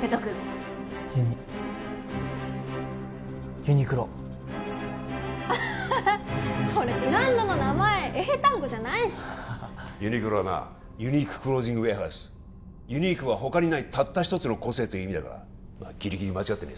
瀬戸君ユニユニクロアッハハそれブランドの名前英単語じゃないしアハハユニクロはな「ユニーク・クロージング・ウェアハウス」ユニークは「他にないたった一つの個性」という意味だからまあギリギリ間違ってね